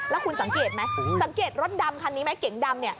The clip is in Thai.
แล้วคุณสังเกตไหมสังเกตรถดำคันนี้ไหมเก๋งดำเนี่ย